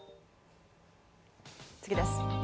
次です。